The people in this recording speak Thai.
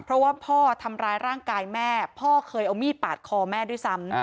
เพราะว่าพ่อทำร้ายร่างกายแม่พ่อเคยเอามีดปาดคอแม่ด้วยซ้ำ